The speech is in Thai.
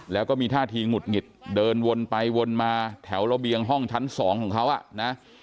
แล้วก็มีท่าทีหงุดหงิดเดินวนไปวนมาแถวระเบียงห้องชั้น๒ของเขาอ่ะนะ